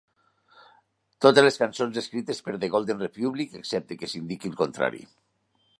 Totes les cançons escrites per The Golden Republic, excepte que s'indiqui el contrari.